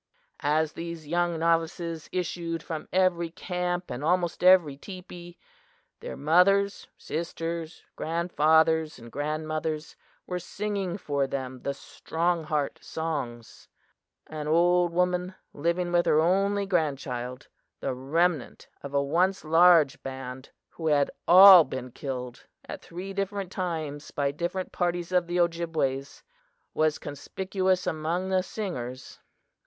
As these young novices issued from every camp and almost every teepee, their mothers, sisters, grandfathers and grandmothers were singing for them the 'strong heart' songs. An old woman, living with her only grandchild, the remnant of a once large band who had all been killed at three different times by different parties of the Ojibways, was conspicuous among the singers.